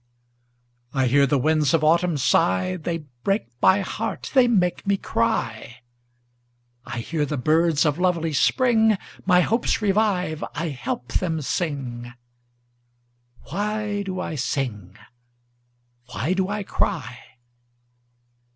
I hear the winds of autumn sigh, They break my heart, they make me cry;I hear the birds of lovely spring, My hopes revive, I help them sing. Why do I sing? Why do I cry?